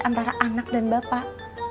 antara anak dan bapak